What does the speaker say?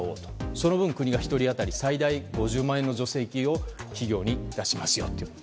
その分、国が１人当たり最大５０万円の助成金を企業に出しますよと。